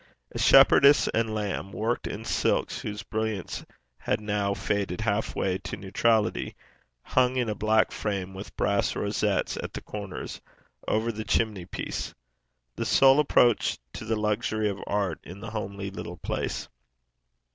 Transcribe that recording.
A shepherdess and lamb, worked in silks whose brilliance had now faded half way to neutrality, hung in a black frame, with brass rosettes at the corners, over the chimney piece the sole approach to the luxury of art in the homely little place.